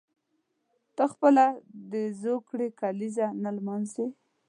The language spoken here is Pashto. ته خپله د زوکړې کلیزه نه لمانځي.